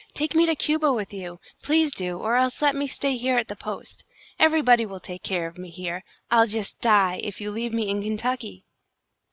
Take me to Cuba with you! Please do, or else let me stay here at the post. Everybody will take care of me here! I'll just die if you leave me in Kentucky!"